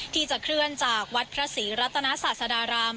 ที่จะเคลื่อนจากวัดพระศรีรัตนาศาสดาราม